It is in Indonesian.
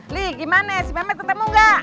li gimana sih mba kmet ketemu ga